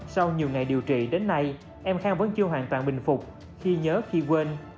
sau nhiều ngày điều trị đến nay em khang vẫn chưa hoàn toàn bình phục khi nhớ khi quên